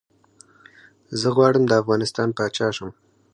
زه غواړم ده افغانستان پاچا شم